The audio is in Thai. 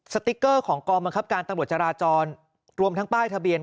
สติ๊กเกอร์ของกองบังคับการตำรวจจราจรรวมทั้งป้ายทะเบียน